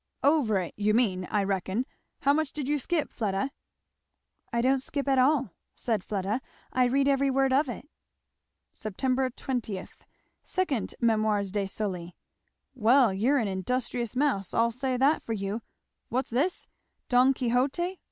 "Over it, you mean, I reckon; how much did you skip, Fleda?" "I didn't skip at all," said Fleda; "I read every word of it." "'Sep. 20. 2 Mem. de Sully.' Well, you're an industrious mouse, I'll say that for you. What's this 'Don Quixotte!'